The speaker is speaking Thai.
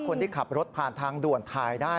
คนที่ขับรถผ่านทางด่วนถ่ายได้